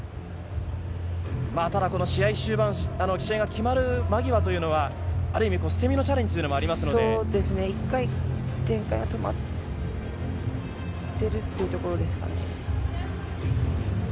ただこの試合終盤、試合が決まる間際というのは、ある意味、捨て身のチャレンジとそうですね、１回、展開が止まってるってところですかね。